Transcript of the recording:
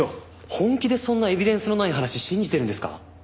本気でそんなエビデンスのない話信じてるんですか？